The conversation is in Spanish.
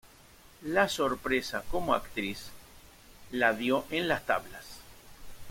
La sorpresa como actriz, la dio en las tablas.